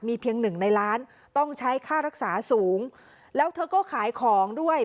เพียงหนึ่งในล้านต้องใช้ค่ารักษาสูงแล้วเธอก็ขายของด้วย